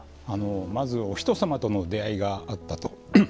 まずお人様との出会いがあったと。